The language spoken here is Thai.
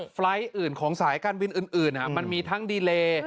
ไฟล์ทอื่นของสายการบินอื่นมันมีทั้งดีเล